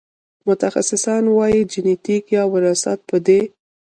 متخصصان وايي جنېتیک یا وراثت په دې